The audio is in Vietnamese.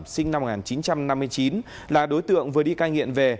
sinh năm một nghìn chín trăm năm mươi chín là đối tượng vừa đi cai nghiện về